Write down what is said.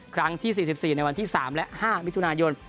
ครั้งที่๔๔ในวันที่๓และ๕มิถุนายน